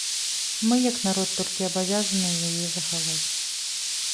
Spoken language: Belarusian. Мы як народ толькі абавязаныя яе захаваць.